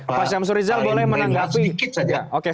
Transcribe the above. pak seram boleh menanggapi